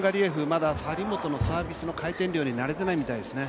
まだ張本のサービスの回転量に慣れていないみたいですね。